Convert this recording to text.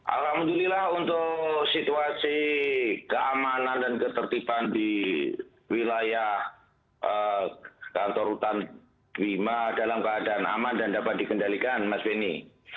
alhamdulillah untuk situasi keamanan dan ketertiban di wilayah kantor rutan bima dalam keadaan aman dan dapat dikendalikan mas benny